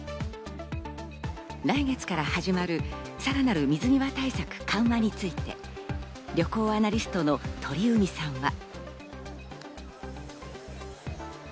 来月から始まる、さらなる水際対策緩和について旅行アナリストの鳥海さんは。